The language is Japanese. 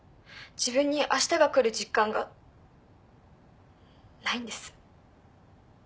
自分に明日が来る実感がないんです。